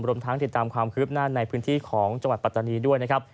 รวมทั้งติดตามความคืบหน้าในพื้นที่ของจังหวัดปัตตานีด้วยนะครับ